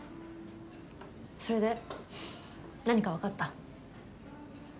それで何かわかった？